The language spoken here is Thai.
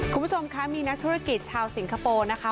คุณผู้ชมคะมีนักธุรกิจชาวสิงคโปร์นะคะ